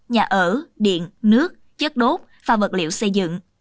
nhà ở điện nước chất đốt và vật liệu xây dựng